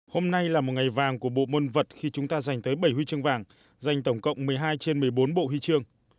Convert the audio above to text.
hôm nay là một ngày vàng của bộ môn vật khi chúng ta giành tới bảy huy chương vàng dành tổng cộng một mươi hai trên một mươi bốn bộ huy chương